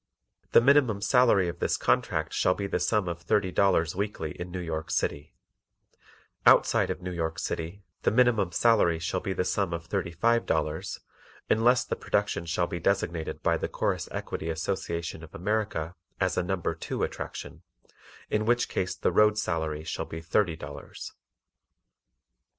The minimum salary of this contract shall be the sum of Thirty ($30) Dollars weekly in New York City; outside of New York City the minimum salary shall be the sum of Thirty five ($35) Dollars, unless the production shall be designated by the Chorus Equity Association of America, as a Number 2 attraction, in which case the road salary shall be Thirty ($30) Dollars.